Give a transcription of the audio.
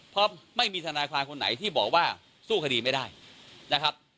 เพราะไม่มีทนายความคนไหนที่บอกว่าสู้คดีไม่ได้นะครับ